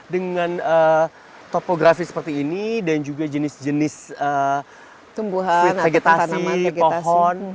dengan topografi seperti ini dan juga jenis jenis tumbuhan vegetasi pohon